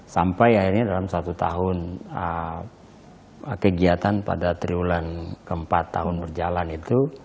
sampai akhirnya dalam satu tahun kegiatan pada triwulan keempat tahun berjalan itu